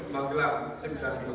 manggelam sembilan puluh tahun